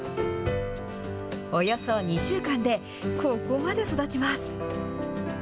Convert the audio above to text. およそ２週間で、ここまで育ちます。